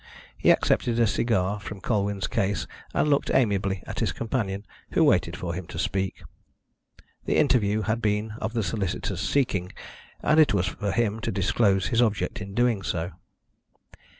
He accepted a cigar from Colwyn's case, and looked amiably at his companion, who waited for him to speak. The interview had been of the solicitor's seeking, and it was for him to disclose his object in doing so.